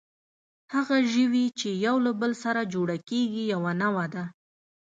هغه ژوي، چې یو له بل سره جوړه کېږي، یوه نوعه ده.